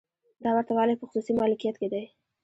دا ورته والی په خصوصي مالکیت کې دی.